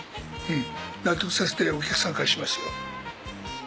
納得させてお客さん帰しますよ。